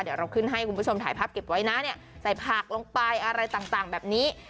เดี๋ยวเราขึ้นให้คุณผู้ชมถ่ายภาพเก็บไว้นะเนี่ยใส่ผักลงไปอะไรต่างแบบนี้